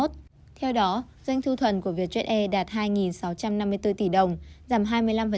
theo đó doanh thu thuần của vietjet air đạt hai sáu trăm năm mươi bốn tỷ đồng giảm hai mươi năm so với quý hai và giảm năm năm